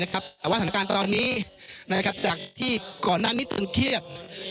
แต่ว่าสถานการณ์ตอนนี้จากที่ก่อนหน้านี้ตึงเครียด